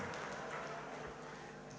saya sudah berada di ruangan ini